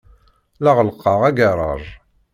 La ɣellqeɣ agaṛaj.